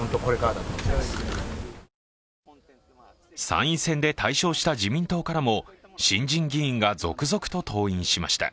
参院選で大勝した自民党からも新人議員が、続々と登院しました。